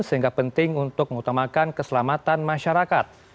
sehingga penting untuk mengutamakan keselamatan masyarakat